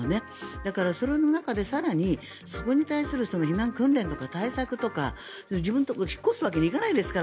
だから、その中で更にそこに対する避難訓練とか対策とか、自分のところから引っ越すわけにはいかないですから。